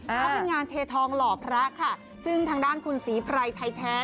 เขาเป็นงานเททองหล่อพระค่ะซึ่งทางด้านคุณศรีไพรไทยแท้